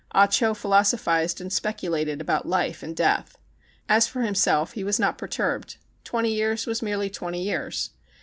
Ah Cho philosophized and speculated about life and death. As for himself, he was not perturbed. Twenty years were merely twenty years.